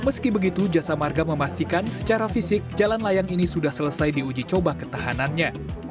meski begitu jasa marga memastikan secara fisik jalan layang ini sudah selesai diuji coba ketahanannya